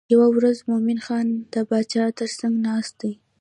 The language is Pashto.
یوه ورځ مومن خان د باچا تر څنګ ناست دی.